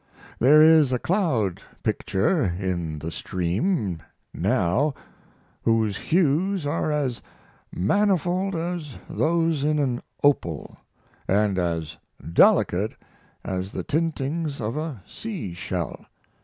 There is a cloud picture in the stream now whose hues are as manifold as those in an opal and as delicate as the tintings of a sea shell.